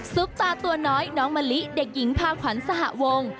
ซุปตาตัวน้อยน้องมะลิเด็กหญิงพาขวัญสหวง